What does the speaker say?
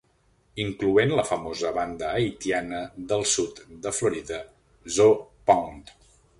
Incloent la famosa banda haitiana del sud de Florida Zoe Pound.